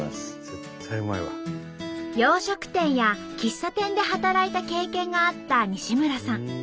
洋食店や喫茶店で働いた経験があった西村さん。